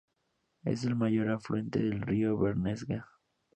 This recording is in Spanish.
Es el mayor afluente del río Bernesga.